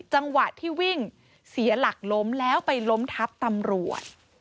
จังหวะที่วิ่งเสียหลักล้มแล้วไปล้มทับตำรวจ